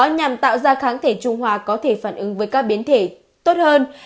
nhằm tạo ra kháng thể trung hòa có thể phản ứng với các biến thể tốt hơn